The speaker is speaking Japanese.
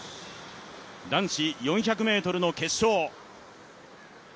男子４００ｍの決勝。